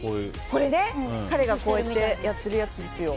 これね、彼がこうやってやってるやつですよ。